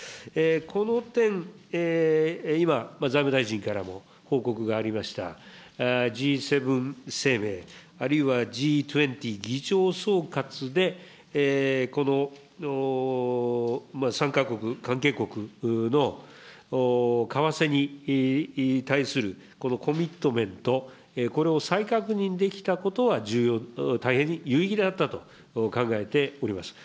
この点、今、財務大臣からも報告がありましたＧ７声明、あるいはＧ２０議長総括でこの参加国、関係国の為替に対するこのコミットメント、これを再確認できたことは重要、大変に有意義であったと考えております。